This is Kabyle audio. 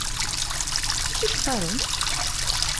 Amek i ak-qqaṛen?